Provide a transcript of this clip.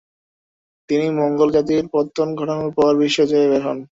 তিনি মঙ্গোল জাতির পত্তন ঘটানোর পর বিশ্বজয়ে বের হন।